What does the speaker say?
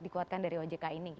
kita lakukan dari ojk ini